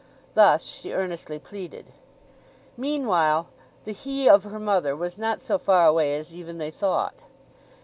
Thus she earnestly pleaded. Meanwhile, the "he" of her mother was not so far away as even they thought.